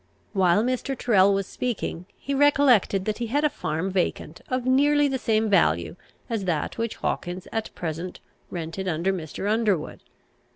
While Mr. Tyrrel was speaking, he recollected that he had a farm vacant, of nearly the same value as that which Hawkins at present rented under Mr. Underwood.